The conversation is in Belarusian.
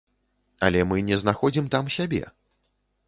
Але мы не знаходзім там сябе.